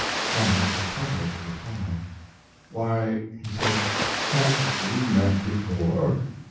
Clemens was puzzled to reply. "Why," he said, "have we met before?"